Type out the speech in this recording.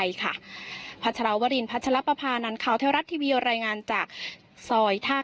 ค่ะพัชรวรินพัชรปภานันข่าวเทวรัฐทีวีรายงานจากซอยท่า